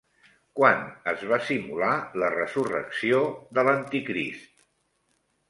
Quan es va simular la resurrecció de l'anticrist?